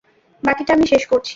বাকিটা আমি শেষ করছি।